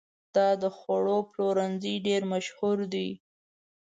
دا د خوړو پلورنځی ډېر مشهور دی.